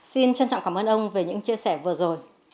xin trân trọng cảm ơn ông về những chia sẻ vừa rồi